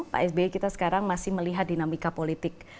pak s b kita sekarang masih melihat dinamika politik